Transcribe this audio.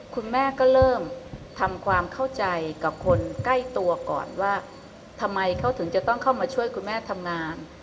คุณแม่ก็เริ่มทำความเข้าใจกับคนใกล้ตัวก่อนว่าทำไมเขาถึงจะต้องเข้ามาช่วยคุณแม่ทำงาน